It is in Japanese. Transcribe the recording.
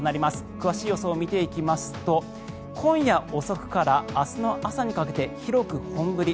詳しい予想を見ていきますと今夜遅くから明日の朝にかけて広く本降り。